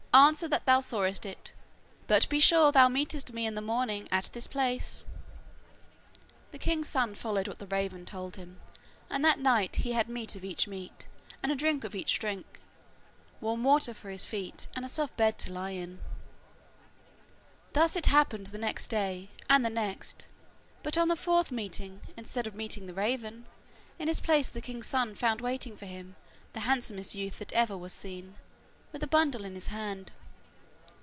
answer that thou sawest it, but be sure thou meetest me in the morning at this place.' The king's son followed what the raven told him and that night he had meat of each meat, and drink of each drink, warm water for his feet, and a soft bed to lie in. Thus it happened the next day, and the next, but on the fourth meeting, instead of meeting the raven, in his place the king's son found waiting for him the handsomest youth that ever was seen, with a bundle in his hand.